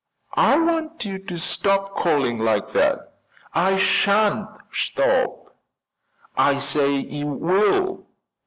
"I want you to stop calling like that." "I shan't stop." "I say you will!"